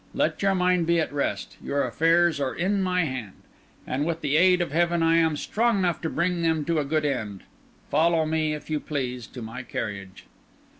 Let your mind be at rest; your affairs are in my hand; and with the aid of heaven I am strong enough to bring them to a good end. Follow me, if you please, to my carriage."